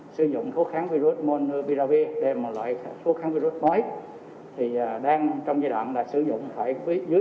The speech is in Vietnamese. sử dụng thuốc kháng virus monopiravir là một loại thuốc kháng virus mới đang trong giai đoạn sử dụng dưới